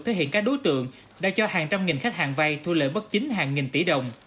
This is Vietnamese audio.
thể hiện các đối tượng đã cho hàng trăm nghìn khách hàng vay thu lợi bất chính hàng nghìn tỷ đồng